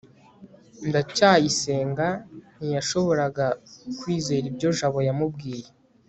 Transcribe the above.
ndacyayisenga ntiyashoboraga kwizera ibyo jabo yamubwiye